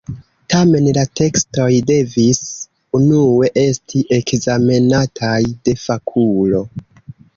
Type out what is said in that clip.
Tamen la tekstoj devis unue esti ekzamenataj de fakulo.